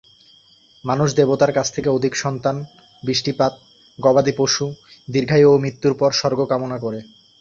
মানুষ দেবতার কাছ থেকে অধিক সন্তান, বৃষ্টিপাত, গবাদি পশু, দীর্ঘায়ু ও মৃত্যুর পর স্বর্গ কামনা করত।